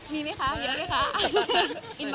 มีไหมคะมีไหมคะ